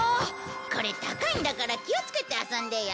これ高いんだから気をつけて遊んでよ。